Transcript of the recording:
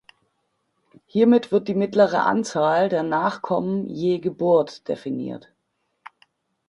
Hiermit wird die mittlere Anzahl der Nachkommen je Geburt definiert.